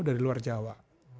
dari luar jawa